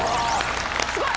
すごい！